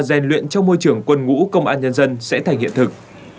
rèn luyện trong môi trường quân ngũ công an nhân dân sẽ thành hiện thực